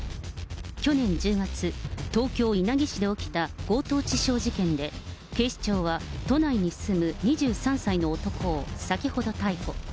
去年１０月、東京・稲城市で起きた強盗致傷事件で、警視庁は、都内に住む２３歳の男を先ほど逮捕。